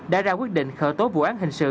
đã ra quyết định khởi tố vụ án hình sự